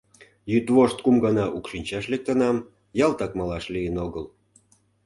Йӱдвошт кум гана укшинчаш лектынам, ялтак малаш лийын огыл.